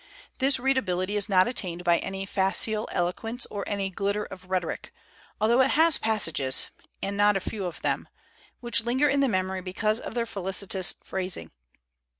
This readability is not attained by any facile eloquence or any glitter of rhetoric, altho it has passages, and not a few of them, which linger in the memory because of their felicitous phrasing.